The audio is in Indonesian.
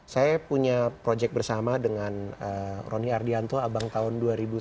saya punya project bersama dengan ronny ardianto abang tahun dua ribu satu